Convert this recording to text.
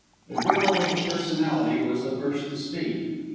The girl with the personality was the first to speak.